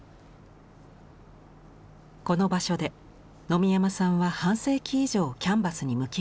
この場所で野見山さんは半世紀以上キャンバスに向き合ってきました。